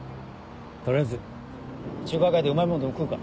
取りあえず中華街でうまいもんでも食うか。